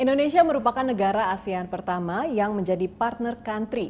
indonesia merupakan negara asean pertama yang menjadi partner country